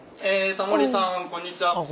えタモリさんこんにちは。